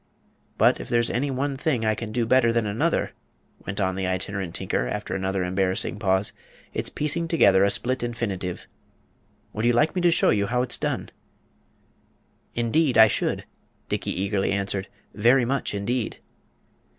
But if there's any one thing that I can do better than another," went on the Itinerant Tinker, after another embarrassing pause, "it's piecing together a split infinitive. Would you like me to show you how it's done?" "Indeed, I should," Dickey eagerly answered; "very much, indeed."